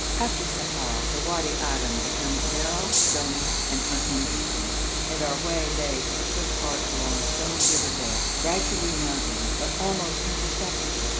After Sa'ah the Wadi Adim becomes narrow, stony, and uninteresting, and our way lay for a good part along a stony river bed, gradually mounting, but almost imperceptibly.